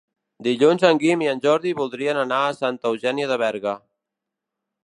Dilluns en Guim i en Jordi voldrien anar a Santa Eugènia de Berga.